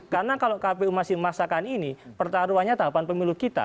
karena kalau kpu masih memaksakan ini pertaruhannya tahapan pemilu kita